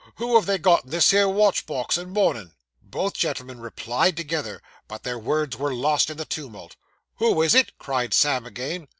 'Who have they got in this here watch box in mournin'?' Both gentlemen replied together, but their words were lost in the tumult. 'Who is it?' cried Sam again.